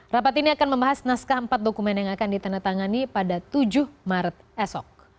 rapat ini akan membahas naskah empat dokumen yang akan ditandatangani pada tujuh maret esok